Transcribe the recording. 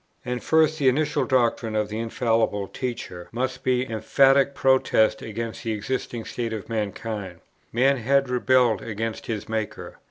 And first, the initial doctrine of the infallible teacher must be an emphatic protest against the existing state of mankind. Man had rebelled against his Maker.